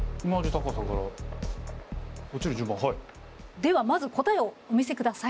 ではまず答えをお見せください。